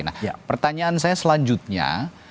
nah pertanyaan saya selanjutnya